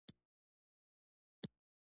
مچان د ورځي او شپې دواړو وختونو کې راځي